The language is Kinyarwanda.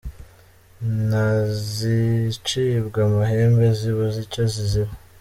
Nta zicibwa amahembe zibuze icyo zizira.